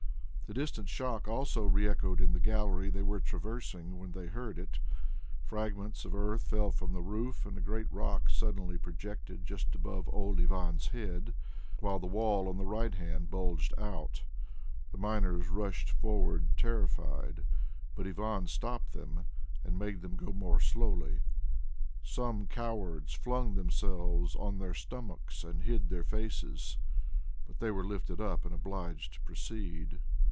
The distant shock also re echoed in the gallery they were traversing when they heard it. Fragments of earth fell from the roof and a great rock suddenly projected just above old Ivan's head, while the wall on the right hand bulged out. The miners rushed forward terrified, but Ivan stopped them and made them go more slowly. Some cowards flung themselves on their stomachs and hid their faces, but they were lifted up and obliged to proceed.